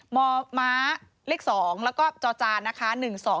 มมเลข๒แล้วก็จอจานนะคะ